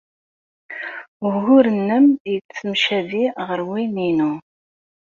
Ugur-nnem yettemcabi ɣer win-inu.